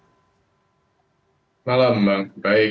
selamat malam bang baik